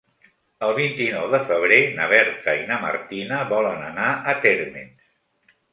El vint-i-nou de febrer na Berta i na Martina volen anar a Térmens.